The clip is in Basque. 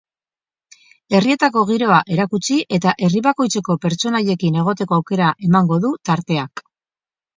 Herrietako giroa erakutsi eta herri bakoitzeko pertsonaiekin egoteko aukera emango du tarteak.